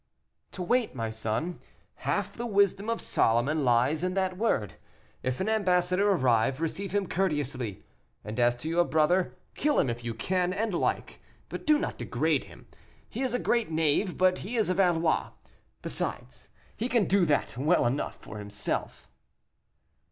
"To wait, my son. Half the wisdom of Solomon lies in that word. If an ambassador arrive, receive him courteously. And as to your brother, kill him if you can and like, but do not degrade him. He is a great knave, but he is a Valois; besides, he can do that well enough for himself."